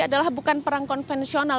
adalah bukan perang konvensional